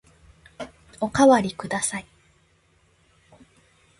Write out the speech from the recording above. おかわりください。